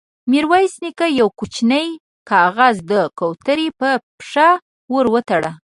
ميرويس نيکه يو کوچينۍ کاغذ د کوترې پر پښه ور وتاړه.